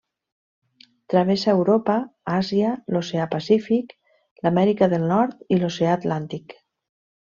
Travessa Europa, Àsia, l'Oceà Pacífic, l'Amèrica del Nord i l'oceà Atlàntic.